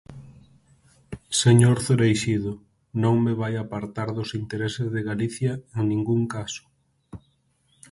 Señor Cereixido, non me vai apartar dos intereses de Galicia, en ningún caso.